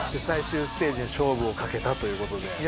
最終ステージで勝負をかけたという事で。